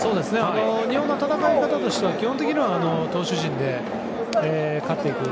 日本の戦い方としては基本的には投手陣で勝っていく。